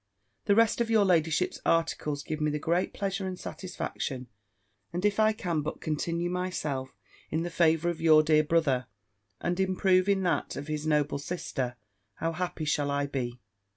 The rest of your ladyship's articles give me the greatest pleasure and satisfaction; and if I can but continue myself in the favour of your dear brother, and improve in that of his noble sister, how happy shall I be!